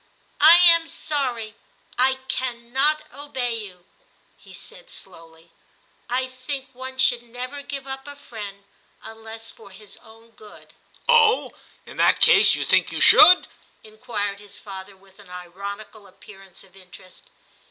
* I am sorry I cannot obey you/ he said slowly ;' I think one should never give up a friend unless for his own good/ ' Oh ! in that case you think you should ?' inquired his father, with an ironical appearance of interest.